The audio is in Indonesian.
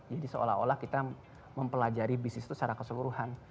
jadi seolah olah kita mempelajari bisnis itu secara keseluruhan